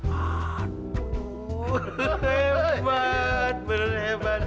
aduh hebat beneran hebat